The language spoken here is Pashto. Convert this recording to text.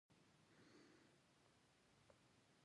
څلورڅلوېښت، پينځهڅلوېښت، شپږڅلوېښت، اووهڅلوېښت